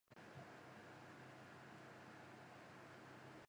たやたふま